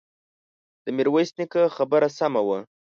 د ميرويس نيکه خبره سمه وه.